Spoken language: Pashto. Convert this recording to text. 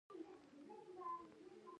هغه شاته ټول پلونه يې نړولي وو.